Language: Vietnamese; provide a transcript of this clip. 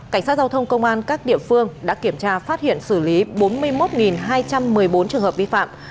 cảnh sát giao thông công an các địa phương đã kiểm tra phát hiện xử lý bốn mươi một hai trăm một mươi bốn trường hợp vi phạm